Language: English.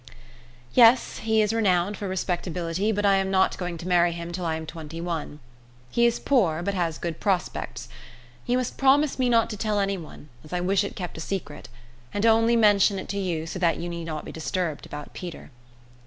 "Yes; he is renowned for respectability, but I am not going to marry him till I am twenty one. He is poor, but has good prospects. You must promise me not to tell anyone, as I wish it kept a secret, and only mention it to you so that you need not be disturbed about Peter."